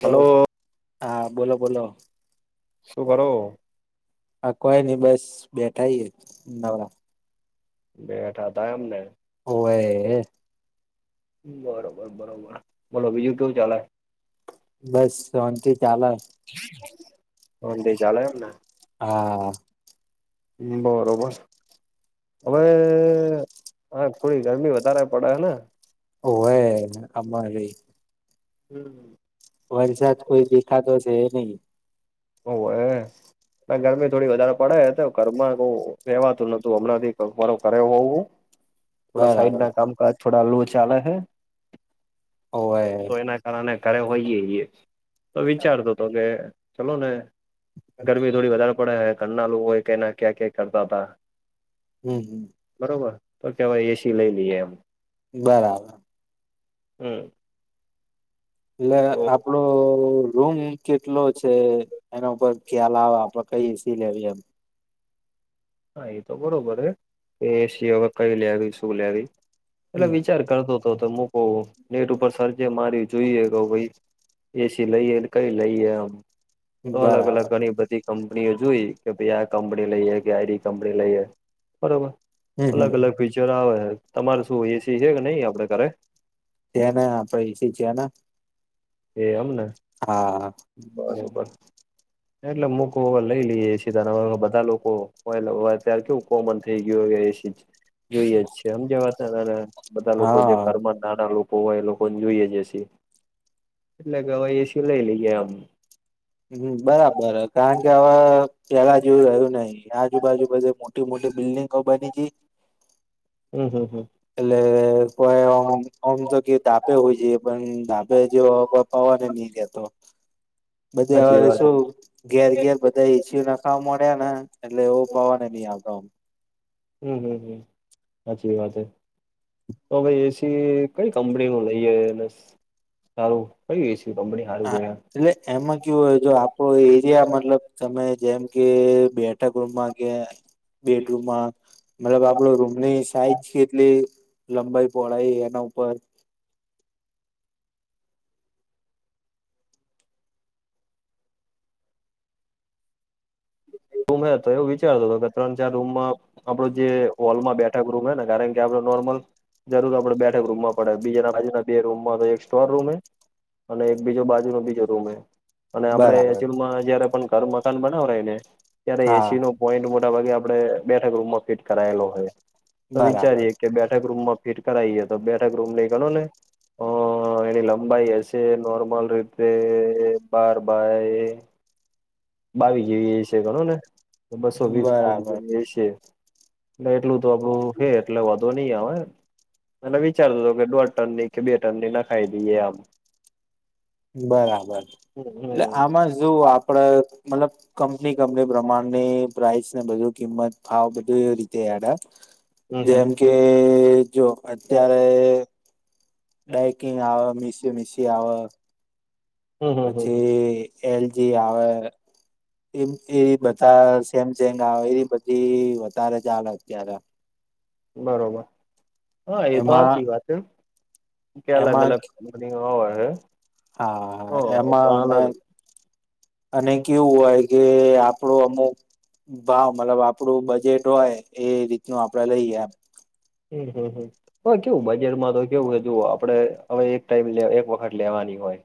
Hello. હા બોલો બોલો. શું કરો? હા કોઈ નઈ બસ બેઠા નવરા. બેઠાતા એમને ઓવે. બરોબર બરોબર બોલો બીજું કેવું ચાલેય? બસ શોંતિ ચાલે. અંધ ચાલે એમને. હા. બરોબર હવે. હા થોડી ગરમી વધારે પડે હે ને. ઓ હે અમારી. હમ. વરસાદ કોઈ દેખાતો છે નહી. ઓવે હ. ગરમી થોડી વધારે પડે તો ઘરમાં ક રહેેવાતું નોતું. હમણાંથી મારો કરરે હોવું થોડા સાઈડ બરાબર ના કામકાજ થોડા અલુ ચાલે હૈ. ઓવે. ઘરે હોઈએ તો વિચારતો તો કે ચલો ને. ગરમી થોડી વધારે પડે હ ઘરના લોકો એ ક ના ક્યાં ક્યા કરતા ભા. હમ હમ. બરોબર તો કેવાય એસી લઈ લઈએ એમ. બરાબર. હમ. એટલે તો આપણું રૂમ કેટલો છે એના ઉપર ખ્યાલ આવે આપડે કઈ એસી લેવી એમ. હા એ તો બરોબર હે કે એસી હવે કઈ લેવી શું લેવી. એટલે વિચાર કરતો હતો મકો નેટ ઉપર સર્જે મારી જોઈએ કે ભાઈ એસી લઈએ કઈ લઈએ. આમ હમ તો અલગ અલગ બરાબર ઘણી બધી કંપનીઓ જોઈ કે ભાઈ આ કંપની લઈએ કે આઈડી કંપની લઈએ. બરોબર. હમ હમ અલગ અલગ ફીચર આવે. તમારે શું એસી છે કે નહી આપડે ઘરે? ત્યાને આપડે એ છે ને. એ અમને. હા. બરોબર. એટલે મૂકર લઈ લઈએ સીધના બધા લોકોયારે કે કોમન થઈ ગયું એ જોઈએ જ છે સમજવા હતા ત. બધા લોકો જે હા ઘરમાં નાના લોકો હોય એ લોકો ને જોઈએ જસી. એટલે ગવાઈ એસીું લઈ લઈ ગયા આમ. હમ બરાબર. કારણ કે હવે, પેલા જેવું રહ્યું નહી. આજુબાજુ બધે મોટી મોટી બિલ્ડિંગો બની ગઈ. હમ હમ હમ. એટલે કોઈમ તો કે તાપે હોય છે. પણ ધાબે જેવ કો પવા નની ગતો. બધા સાચી હવારે વાત હ શું ઘેર ઘેર બધા ઈચ્છ્યું ના મળ્યા ને એટલે એવું પવાને નહ આવતામ. હમ હમ હમ સાચી વાત હ, તો ભાઈ એસી કઈ કંપની નું લઈએને સારું કઇ એસી કંપની સારું ગ આમ એટલે એમાં કેવું હોય જો આપો એરિયા મતલબ તમે જેમ કે બેઠા ગુમાં કે બેડરૂમમાં મતલબ આપડો રૂમની સાઈજ છે કેટલી-' લંબાઈ પહોળાાઈ એના ઉપર રૂમ હે તો એવું વિચારતો હતો કે ત્રણ ચાર રૂમમાં આપડો જે હોલમાં બેઠક રૂમ હ ને કારણ આપ નોર્મલ જરૂર આપડે બેઠક રૂમમાં પડે બીજા રાજુના બે રૂમ માં શો રૂમ હે અને એક બીજો બાજુનો બીજો રૂમ એ અને આપડે બરાબર એચલમાં જયારે પણ ઘર મકાન બનાવા હોય ને ત્યારે હા એસી ન પોઈન્ટ, મોટા ભાગે આપડે બેઠક રૂમમાં ફિટ કરાયેલો હોય, તો બરાબર વિચારીએ કે બેઠક રૂમમાં ફિટ કરીએ, તો બેઠક રૂમ ને એ ગણો ને હ, એની લંબાઈ હશે. નોર્મલ રીતે બાર બાય બાવીસ જેવી એ છે. ગણોને બસો વીસ ફૂટ બરાબર જેવી એ છે. એટલું તો આપણું છેે. એટલે વધો નહી આવે. મેં વિચારતો હતો, કે દોઢ ટનની કે બે ટનની નાખાઈ દઈએ આમ બરાબર. હમ એટલે હમ આમાં જો આપડે મતલબ કંપની કંપની પ્રમાણની પ્રાઇસને બધું કિંમત આવાવ બધું એ રીતે જેમ હમ કે જો અત્યારે ડાયકિંગ આવે, મીસી મીસી આવે. હમ હમ હમ પછી એલજી આવે. એ એ બધા સેમસેંગ આવે, એવી બધી વધારે ચાલે અત્યારે બરોબર. હા, એ તો એમાં સાચી વાત છે, કે અલગ એમાં અલગ ની હો હશે હા એમાં અને અલગ અને કેવું હોય કે આપણો અમુક ભાવ મતલબ આપણું બજેટ હોય એ રીતનું આપણે લઈએ એમ હમ હમ હમ. હ કેવું? બજેટમાં તો કેવું હ તું આપે હવે, એક ટાઈમ એક વખત લેવાની હોય.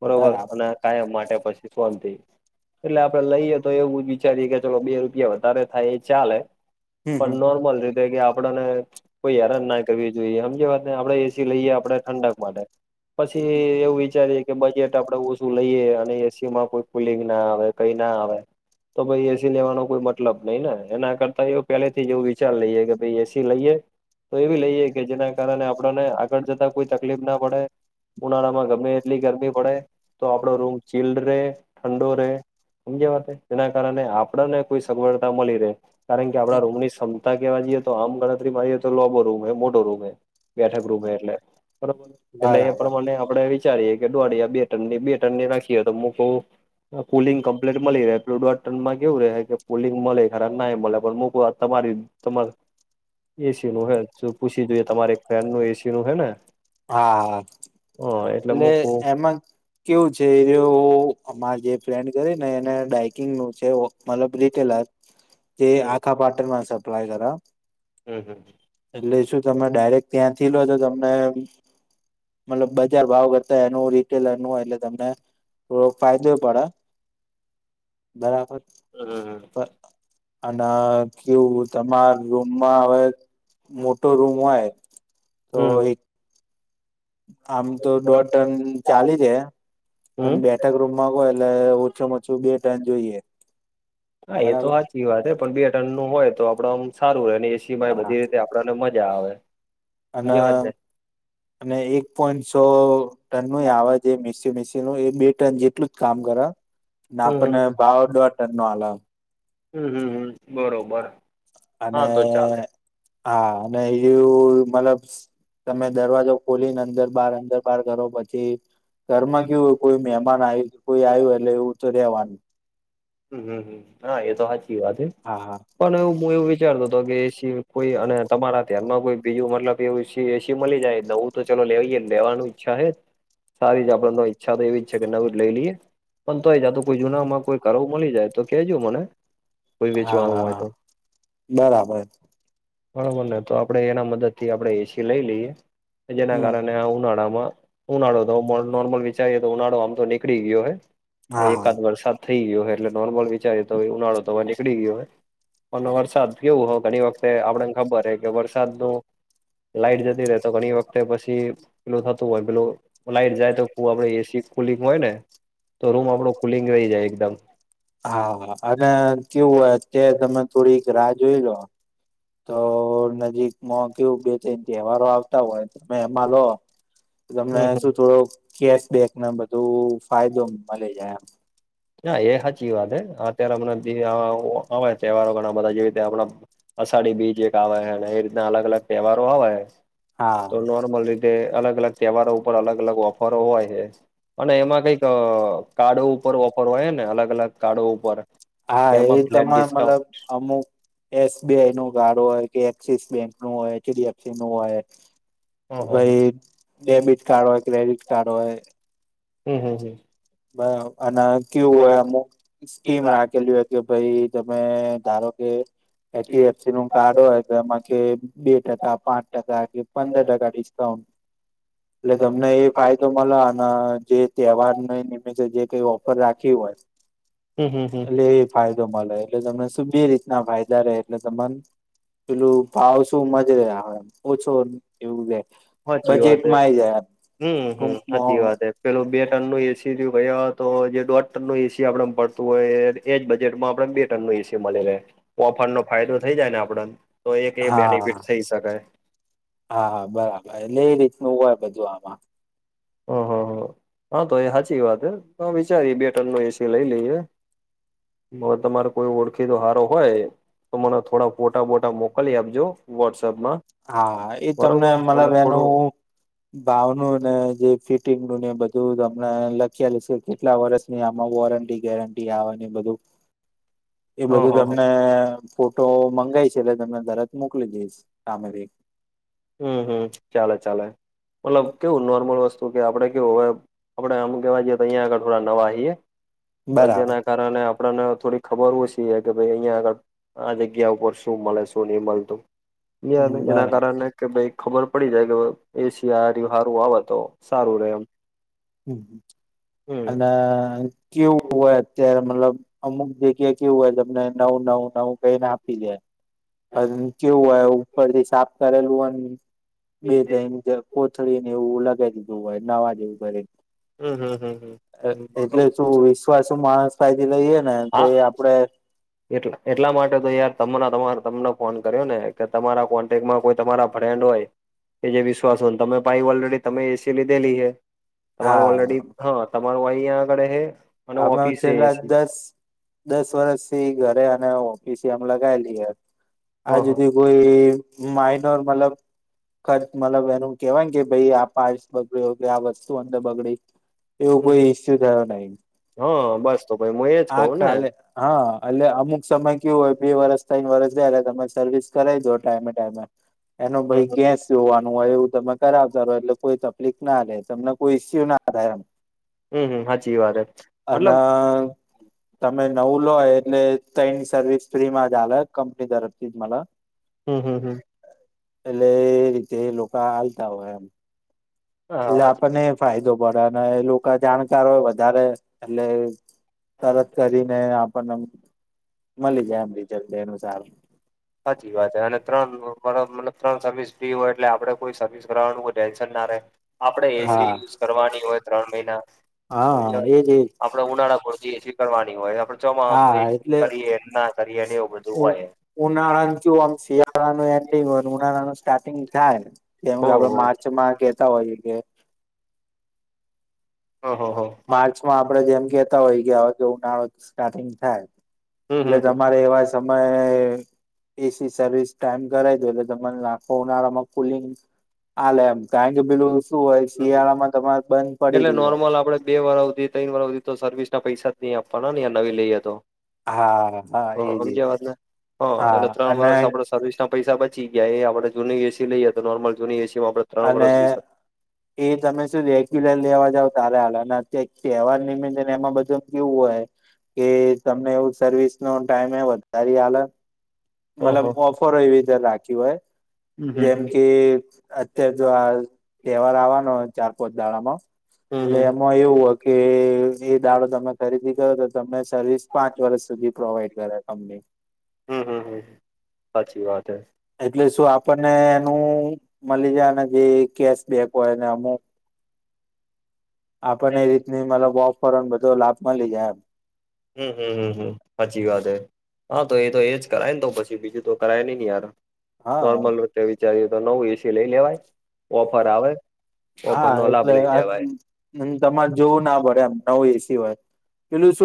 બરોબર. બરાબર અને કાયમ માટે પછી શાંતિ. એટલે આપણે લઈએ તો એવું જ વિચારીએ કે ચલો બે રૂપિયા વધારે થાય એ ચાલે હમ પણ હમ નોર્મલ રીતે કે આપણને કોઈ હેરાનના કરવી. જોઈએ એમ જે વાત આપડે એસી લઈએ, આપણે ઠંડક માટે પછી એવું વિચારીએ કે બજેટ આપણે ઓછું લઈએ અને એસીમાં પણ કુલિંગ ના આવે કઈ ના આવે, તો પછી એસી લેવાનો કોઈ મતલબ નહી ને એના કરતા એ પેલેથી એવું વિચાર લઈએ કે ભાઈ એસી લઈએ? તો એવી લઈએ કે જેના કારણે આપણને આગળ જતા કોઈ તકલીફના પડે ઉનાળામાં ગમે એટલી ગરમી પડે તો આપણો રૂમ ચીલ રે, ઠંડો રે સમજ વાત તેના કારણે આપ આપણને કોઈ સગવડતા મળી રહે. કારણ કે આપણા રૂમની ક્ષમતા કેવા જઈએ, તો આમ ગણતરી મારી લોબો રૂમ હોય, મોટો રૂમ હોય, બેઠક રૂમ એટલે બરાબર એટલે એ બરાબર પ્રમાણે આપડે એવી વિચારીએ કે દોઢ યા બે ટનની, બે ટનની રાખીએ તો મકવું પુલિંગ કમ્પ્લીટ મળી રહે. પ્લુડ ટનમાં કેવું રહે, કે પુલિંગ મળે ના મળે પણક તમારી તમાર પૅલું હ પૂછી જોઈએ તમારે એક ફેન નું એસી નું હે ને હા હ એટલે મૂકવું કેવું છે એ અમારે જે પ કરે એને ડાઇકિંગનું છે. મતલબ, રીટેલ જે આખા પાટણમાં અપ્લાય કર હમ હમ. એટલે શું? તમે ડાયરેક્ટ ત્યાંથી લો તો તમને મતલબ, બજાર ભાવ કરતા એનું રીટેલર એનું એટલે તમને થોડો ફાઙયદો પડે બરાબર. અને કેવું તમારે રૂમમાં હવે મોટો રૂમ હોય, તો હમ એક આમ તો દોઢ ટન ચાલી જાય, પણ બે કોઈ રૂમમાં હોય એટલે ઓછુંમાં ઓછું બે ટાઈમ જોઈએ. હા, એ તો બરાબર સાચી વાત. હ પણ બે ટનનું હોય તો આપણે આમ સારું રહે. એ સી હા બધી રીતે આપણને મજા આવે. અને, હમ અને એક પોઈન્ટ સો ટન ન આ આવેજ મસી મ નું એ બે ટન જેટલું જ કામ કર ના હમ આપણને ભાવ વાટ નો અલાવ હમ હમ હમ બરોબર અને હા તો ચાલે હા અને એવું મલ છ તમે દરવાજો ખોલીને અંદર બાર અંદર બાર કરો પછી ઘરમાં કયું કોઈ મહેમાન આયુ કોઈ આયું એટલે એવું તો રેવાનું હમ હમ હા એ તો સાચી વાત હ હા હા પણ એ વિચારતો હતો કે એસી કોઈ અને તમારા ધ્યાનમાં કોઈ બીજું મતલબ એવું એસી મળી જાય તો ચાલો લેવાય ગયું લેવાનું ઈચ્છા હે સારી જ આપડને ઈચ્છા તો એવી જ છે કે નવું જ લઈ લઈએ પણ તોય જાતું કોઈ જૂના કરું મળી જાય તો કેજો મને કોઈ વેચવાનું હોય હા તો બરાબર બરોબર ને તો આપણે એના મદદ થી આપણે એસી લઈ લઈએ જેના હમ કારણે આ ઉનાળામાં ઉનાળો તો નોર્મલ વિચારીએ તો ઉનાળો આમ તો નીકળી ગયો હે હા એકાદ હા વરસાદ થઈ ગયો હોય એટલે નોર્મલ વિચાર તો ઉનાળો તો નીકળી ગયો હે અને વરસાદ કેવું હો ઘણી વખતે આપડાને ખબર હ કે વરસાદ નું લાઈટ જતી રે તો ઘણી વખતે પછી પેલું થતું હોય પેલું લાઈટ જાય તો આપડ એસી કુલિંગ હોય ને તો રૂમ આપડો કુલિંગ રહી જાય એકદમ હા હા અને કેવું હોય અત્યારે તમે થોડીક રાહ જોઈ લો તો નજીક મો કું બે તન તહેવારો આવતા હોય તમે એમાં લો તમને શું થોડો કેશબેકને બધું ફાયદો મળે જાય એમ ના એ સાચી વાત અત્યારે હમણા તહેવારો ઘણા બધા જેવી રીતે આપણા અષાઢી બીજ એક આવે અને એ રીતના અલગ અલગ તહેવારો આવે હા તો નોર્મલ રી તે અલગ અલગ તહેવારો ઉપર અલગ અલગ ઓફરો હોય છે અને એમાં કઈક કાર્ડો ઉપર ઓફર હોય ને અલગ અલગ કાર્ડો ઉપર કે હા એ એમાં ફ્લેટ તમે ડિસ્કાઉન્ટ મતલબ અમુક એસબીઆઈ નું કાર્ડ હોય કે એક્સિસ બેંક નું હોય એચડીએફસી નું હોય હમ હમ ભાઈ ડેબિટ કાર્ડ હોય ક્રેડિટ કાર્ડ હોય હમ હમ હમ બરાબર અને કેવું હોય અમુક સ્કીમ રાખેલી હોય કે ભાઈ તમે ધારો કે એચડીફસી નું કાર્ડ હોય તો એમાં કે બે ટકા પાંચ ટકા કે પંદર ટકા ડિસ્કાઉન્ટ એટલે તમને એ ફાયદો મળે અને જે તહેવાર ન જે કઈ ઓફર રાખી હોય હમ હમ હમ એટલે એ જ ફાયદો મલે એટલે તમને શું બે રીતના ફાયદા રહે એટલે તમન પેલું ભાવ શું મજ રહે ઓછો એવું લે સાચી વાત હે બજેટમાં આ આઈ જાય હમ એમ હમ સાચી ટૂંકમાં વાત હે પેલું બે ટન નું એસી ગયા હોય, તો જે દોઢ ટન નું એસી આપડે પડતું હોય એ એ જ બજેટમાં આપને બે ટનનું એસી મળી રહે ઓફર નો ફાયદો થઈ જાય ને આપડાને તો એક એ હા બેનિફિટ થઈ શકે હા હા બરાબર એટલે એ રીતનું હોય બધું આમાં ઓ હ હ હા તો એ સાચી વાત હ વિચારીએ બે ટન ન એસી લઈ લઈએ હવે તમારે કોઈ ઓળખી દો હારો હોય. તો મને થોડા ફોટા બોટા મોકલી આપજો વોટ્સઅપમા હા એ તમને મતલબ એનું ભાવ નું ને જે ફિટિંગ નું ને એ બધું તમને લખેલ છે, કેટલા વર્ષ આમાં વોરંટી ગેરંટી આવે બધુ [inaudible] એ બધું હ તમને ફોટો મંગાય છે, એટલે તમને તરત મોકલી દઈશ સામેથી હમ હમ ચાલે ચાલે મતલબ કેવું નોર્મલ વસ્તુ કે આપડે કેવું હવે આપડે કેવા જઈએ તો અહીંયા આગળ થોડા નવાઈએ તો બરાબર જેના કારણે ને આપડને થોડી ખબર હો છીએ કે ભાઈ અહિયા આગળ આ જગ્યા ઉપર શું મળે શું નહી મળતુ જેના બરાબર કારણે કે ભાઈ ખબર પડી જાય, કે એ શયારી હારુ આવે તો સારું રે એમ હમ અને કેવું હોય મતલબ અમુક જગ્યા કે હુ અમને નવ નવ નવું કઈને આપી દે પણ કેવું હોય ઉપરથી સાફ કરેલું હોય બે તઈણ કોથળીને એવું લગાવી દીધું હોય નવા જેવું કરીન હમ્મ હમ્મ હમ્મ એટલે શું વિશ્વાસુ માણસ પાહેથી લઈએે ને તો એ આપડણને એ એટલા માટે તો યાર ત તમા તમને ફોન કર્યો ને કે તમારા કો કો તમારા ફ્રેન્ડ હોય જે વિશ્વાસુ હોયને તમે પાહિ ઓલરેડી તમે એસી લીધેલી હે. તમારું હા ઓલરેડી હા તમારું આગળ હે અને આપણા ઓફિસે છેલ્લા એસી દસ દસ વર્ષ થી ઘરે અને ઓફિસ આમ લગાયેલી હ હ આજુહુધી કોઈ માઇનર મતલબ ખચ મતલબ એનું કેવાય કે ભાઈ આ પાારસ બગડ્યો આ વસ્તુ અંદર બગડી એવું કોઈ ઈસ્યુ થયો નહી હઅ બસ તો ભાઈ હું એજ કઉ આ ને ખાલે હા એટલે અમુક સમય કેવું હોય બે વરસ તઈણ વરસ થ્યાં એટલે તમે સર્વિસ કરાવી દો ટાઈમે ટાઈમે [inaudible] એનો ભાઈ ગેસ જોવાનું હોય એવું તમે કરાવતા રહો એટલે કોઈ તફલીક ના લે તમને કોઈ ઈસ્યુ ના થાય એમ હમ હમ સાચી વાત અને હમ્મ તમે નવું લો એટલે તઈણ સર્વિસ ફ્રી માં જ આલે કંપની તરફ થી મલ હમ્મ હમ્મ હમ્મ એટલે એ રીતે લોકો આલતા હોય એમ એટલે હા આપણને ફાયદો પડે અને એ લોકો જાણકાર હોય વધારે એટલે તરત કરીને આપણને મળી જાય એમ રિઝલ્ટ એનું સારુ સાચી વાત છે અને ત્રણ વરહ મતલબ ત્રણ સર્વિસ ફ્રી હોય એટલે આપડે કોઈ સર્વિસ કરાવાનું ટેન્શન ના રે આપણે એસી હા યુઝ કરવાની હોય ત્રણ મહિના હમજ્યા હા વાતને એજ એજ આપણન ઉનાળા પૂરતી એસી કરવાની હોયને આપડે ચોમાહમ તો હા એસી એટલે કરીએન ને ના કરીએ એવું બધું હોય. ઉનાળા કયું આમ શિયાળાનું એન્ડિંગ હોય ઉનાળાનું સ્ટાર્ટિંગ થાય ને જેમ કે આપડે હ માર્ચ માં કતા હોય કે ઓહ હ હ માર્ચમાં આપડે જેમ કેતા હોય કે આ કે ઉનાળ સ્ટાર્ટિંગ થાય. હમ એટલે હમ તમારે એવા સમય એસી સર્વિસ ટાઈમ કરાવ દયો એટલે તમન આખા ઉનાળામાં કુલિંગ આલે એમ કારણકે બીજું શું હોય હમ શિયાળામાં તમારે બંધ એટલે પડેલી હોય નોર્મલ આપડે બે વરહ હુધી તઈણ વરહ હુધી તો સર્વિસ ના પૈસા જ નઈ આપવાના ને યાર નવી લઈએ તો. હા હા એજ એજ હમજ્યા વાતને હ હા એ ત્રણ અને વર્ષ આપડે સર્વિસના પૈસા બચી ગયા એ આપણે જૂની એસી લઈએ તો નોર્મલ જૂની એસીમાં આપડે ત્રણ અને વર્ષ એ તમે શું રેગ્યુલર લેવા જાવ તારે આલે ને અત તહેવાર નિમિત્તે એમાં બધું કેવું હોય કે તમને એ સર્વિસ નો ટાઈમે વધારી આલે મતલબ ઓહો ઓફરો એવી રીતે રાખી હોય જેમ કે અત્યાર જો આ તહેવાર આવવાનો હોય ચાર પોચ દાળામાં હમ [unintelligible] હમ એવું કે એ જે દાડો તમે ખરીદી કરો તો તમે સર્વિસ પાંચ વર્ષ સુધી પ્રોવાઈડ કરે કંપની હમ હમ હમ સાચી વાત હે એટલે શું આપણને એનું મળી જાય ને જે કેશ બેક હોયને અમુક આપને એ રીતની મતલબ ઓફર ને બધો લાભ મળી જાય એમ હમ હમ હમ હમ સાચી વાત હે હા તો એ તો એજ કરાય ને તો પછી બીજું તો કરાય બિની યાર હા નોર્મલ વચે વિચારીએ તો નવું એસી લઈ લેવાય ઓફર આવે હા ઓફરનો લાભ એટલે લઇ જવાય. નવ એસી હોય પેલું શું